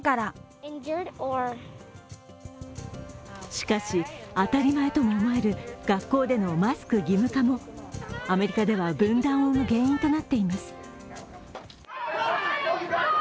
しかし、当たり前とも思える学校でのマスク義務化もアメリカでは分断を生む原因となっています。